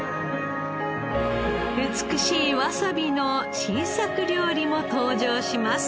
美しいわさびの新作料理も登場します。